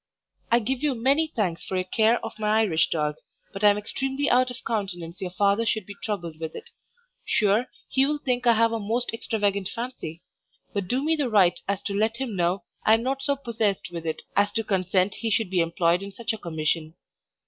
I give you many thanks for your care of my Irish dog, but I am extremely out of countenance your father should be troubled with it. Sure, he will think I have a most extravagant fancy; but do me the right as to let him know I am not so possessed with it as to consent he should be employed in such a commission.